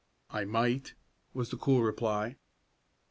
"I might," was the cool reply.